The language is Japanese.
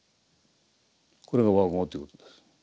これが和合ということです。